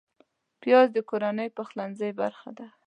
پیاز د کورنۍ پخلنځي برخه ده